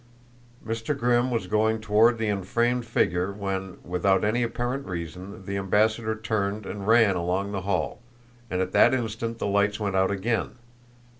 Mr. Grimm was going toward the enframed figure when, without any apparent reason, the ambassador turned and ran along the hall; and at that instant the lights went out again.